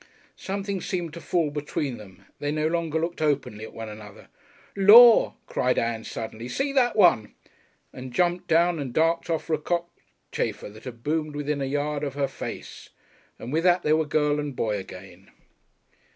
Something seemed to fall between them, and they no longer looked openly at one another. "Lor'!" cried Ann suddenly, "see that one!" and jumped down and darted after a cockchafer that had boomed within a yard of her face. And with that they were girl and boy again....